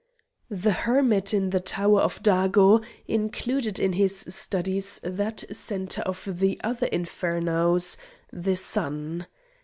The hermit in the Tower of Dago included in his studies that centre of the other infernos, the sun.